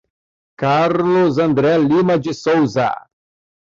Carlos André Lima de Sousa